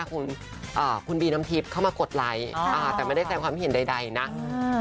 คุณอ่าคุณบีน้ำทิพย์เข้ามากดไลค์อ่าแต่ไม่ได้แสงความคิดเห็นใดใดนะอืม